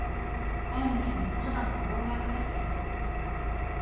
本人はただの道楽だと言っておりますが。